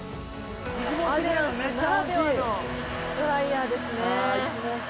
アデランスならではのドライヤーですね。